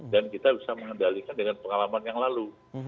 dan kita bisa mengendalikan dengan pengalaman yang lalu